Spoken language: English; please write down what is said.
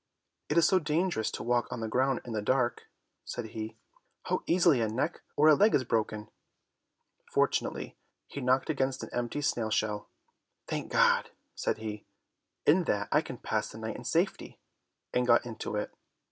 "It is so dangerous to walk on the ground in the dark," said he; "how easily a neck or a leg is broken!" Fortunately he knocked against an empty snail shell. "Thank God!" said he. "In that I can pass the night in safety," and got into it.